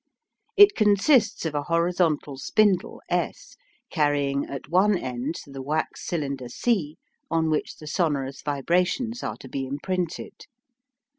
It consists of a horizontal spindle S, carrying at one end the wax cylinder C, on which the sonorous vibrations are to be imprinted.